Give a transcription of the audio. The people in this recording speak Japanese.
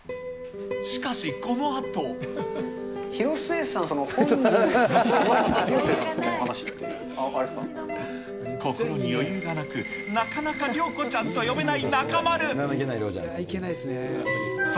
しかし、このあと。広末さん、心に余裕がなく、なかなか涼子ちゃんと呼べない中丸。